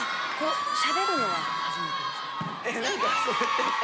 こうしゃべるのは初めてですね。